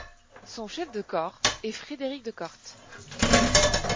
Son chef de corps est Frédéric De Corte.